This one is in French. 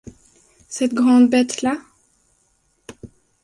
cette grande bête-là ?